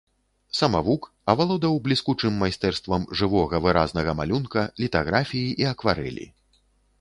Самавук, авалодаў бліскучым майстэрствам жывога, выразнага малюнка, літаграфіі і акварэлі.